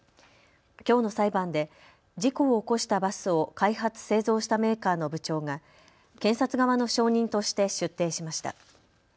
きょうの裁判で事故を起こしたバスを開発・製造したメーカーの部長が検察側の証人として出廷しました。